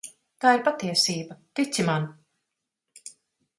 Tā ir patiesība, tici man.